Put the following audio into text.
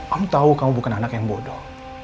om tau kamu bukan anak yang bodoh